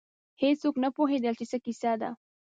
هېڅوک نه پوهېدل چې څه کیسه ده.